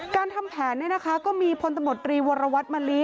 การทำแผนเนี่ยนะคะก็มีพลตมตรีวรวรรวัตน์มะลิ